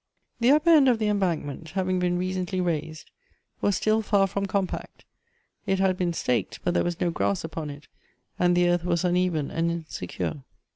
The upper end of the embankment having been re cently raised, was still far from compact. It had been staked, but there was no grass upon it, and the earth was uneven and insecure.